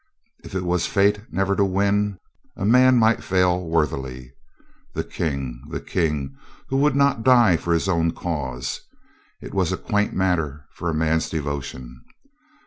If it was fate never to win, a man might fail worthily. The King — the King who would not die for his own cause — it was quaint matter for a man's devotion.